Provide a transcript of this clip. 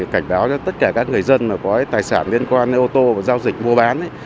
cảnh báo cho tất cả các người dân mà có tài sản liên quan đến ô tô và giao dịch mua bán